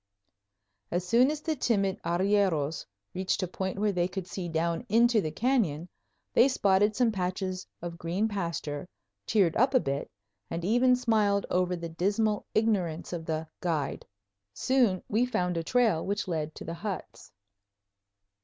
As soon as the timid arrieros reached a point where they could see down into the canyon, they spotted some patches of green pasture, cheered up a bit, and even smiled over the dismal ignorance of the "guide." Soon we found a trail which led to the huts.